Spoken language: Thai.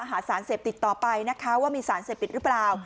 หาสารเสพติดต่อไปนะคะว่ามีสารเสพติดหรือเปล่า